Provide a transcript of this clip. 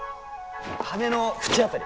羽の縁辺り。